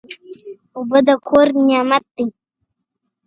اوبه د کور نعمت دی.